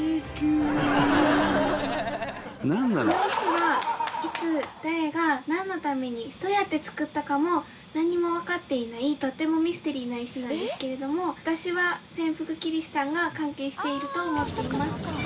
この石はいつ誰がなんのためにどうやって造ったかもなんにもわかっていないとってもミステリーな石なんですけれども私は潜伏キリシタンが関係していると思っています。